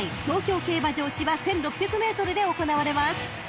東京競馬場芝１，６００ｍで行われます］